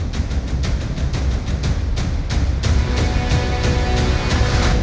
โปรดติดตามตอนต่อไป